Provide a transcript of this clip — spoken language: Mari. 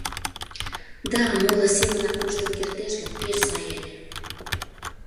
Да, моло семынак коштын кертеш гын, пеш сай ыле.